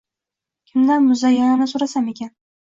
Kimdan muzayyanni so’rasam ekan